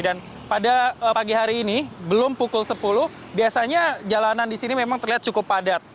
dan pada pagi hari ini belum pukul sepuluh biasanya jalanan di sini memang terlihat cukup padat